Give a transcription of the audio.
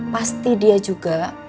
pasti dia juga